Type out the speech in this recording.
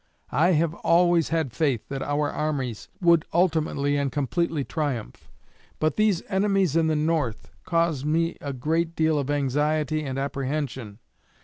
I have always had faith that our armies would ultimately and completely triumph; but these enemies in the North cause me a great deal of anxiety and apprehension.